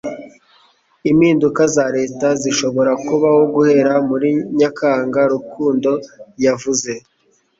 Impinduka za Leta zishobora kubaho guhera muri Nyakanga, Rukundo yavuze